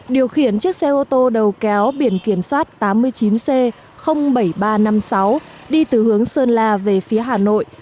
điều khiển chiếc xe ô tô đầu kéo biển kiểm soát tám mươi chín c bảy nghìn ba trăm năm mươi sáu đi từ hướng sơn la về phía hà nội